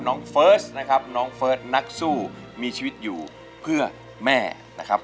เฟิร์สนะครับน้องเฟิร์สนักสู้มีชีวิตอยู่เพื่อแม่นะครับ